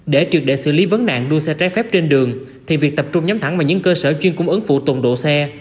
để triệt để xử lý vấn nạn đua xe trái phép trên đường thì việc tập trung nhắm thẳng vào những cơ sở chuyên cung ứng phụ tùng độ xe